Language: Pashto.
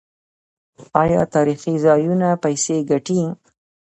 آیا تاریخي ځایونه پیسې ګټي؟